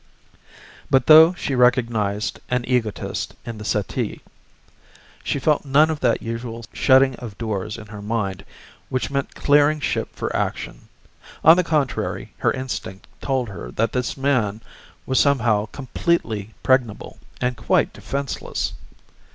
But though she recognized an egotist in the settee, she felt none of that usual shutting of doors in her mind which meant clearing ship for action; on the contrary her instinct told her that this man was somehow completely pregnable and quite defenseless.